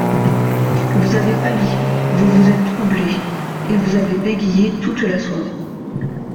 Vous avez pâli, vous vous êtes troublé… et vous avez bégayé toute la soirée.